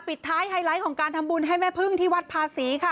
ปิดท้ายไฮไลท์ของการทำบุญให้แม่พึ่งที่วัดภาษีค่ะ